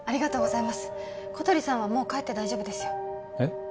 小鳥さんはもう帰って大丈夫ですよえっ？